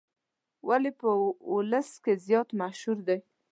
ولې په ولس کې زیات مشهور دی.